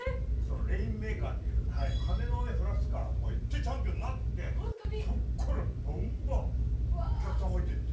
レインメーカーっていう「カネの雨を降らすから」とか言ってチャンピオンになってそっからばんばんお客さん入っていって。